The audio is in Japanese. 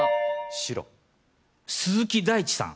白鈴木大地さん